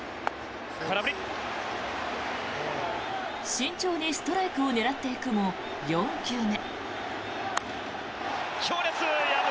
慎重にストライクを狙っていくも、４球目。